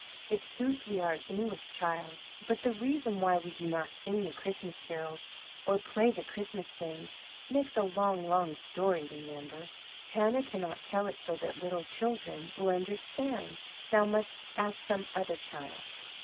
"In sooth we are English, child. But the reason why we do not sing the Christmas carols or play the Christmas games makes a long, long story, Remember. Hannah cannot tell it so that little children will understand. Thou must ask some other, child."